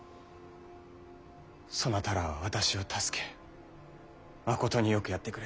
そなたらは私を助けまことによくやってくれた。